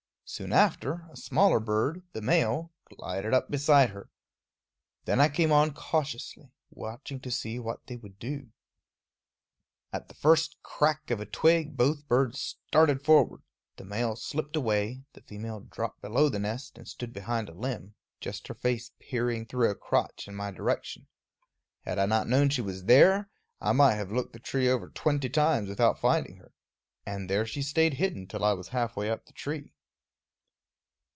Soon after, a smaller bird, the male, glided up beside her. Then I came on cautiously, watching to see what they would do. At the first crack of a twig both birds started forward the male slipped away; the female dropped below the nest, and stood behind a limb, just her face peering through a crotch in my direction. Had I not known she was there, I might have looked the tree over twenty times without finding her. And there she stayed hidden till I was halfway up the tree.